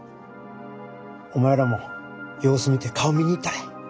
お前らも様子見て顔見に行ったれ。